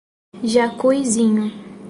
Jacuizinho